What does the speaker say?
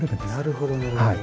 なるほどなるほど。